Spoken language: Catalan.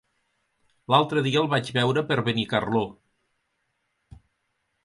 L'altre dia el vaig veure per Benicarló.